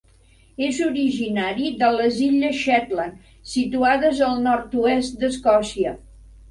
És originari de les illes Shetland, situades al nord-oest d'Escòcia.